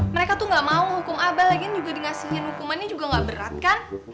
mereka tuh gak mau hukum abah lagi juga dikasihin hukumannya juga gak berat kan